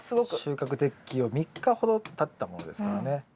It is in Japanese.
収穫適期を３日ほどたったものですからね。